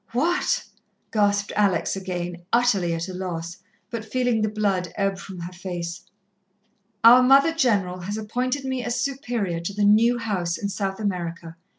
"What?" gasped Alex again, utterly at a loss, but feeling the blood ebb from her face. "Our Mother General has appointed me as Superior to the new house in South America.